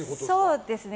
そうですね。